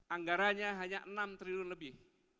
anggarannya hanya enam triliun lebih